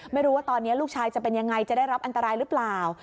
ไม่รู้ว่าตอนนี้ลูกชายจะเป็นยังไงจะได้รับอันตรายหรือเปล่า